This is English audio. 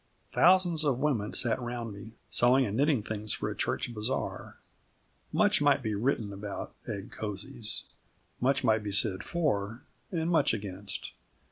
Thousands of women sat round me, sewing and knitting things for a church bazaar. Much might be written about egg cosies. Much might be said for and much against.